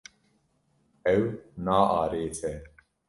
Ew naarêse.